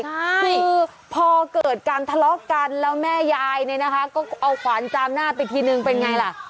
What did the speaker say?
คือพอเกิดการทะเลาะกันแล้วแม่ยายเนี่ยนะคะก็เอาขวานจามหน้าไปทีนึงเป็นไงล่ะ